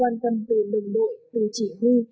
lời đội lời chỉ huy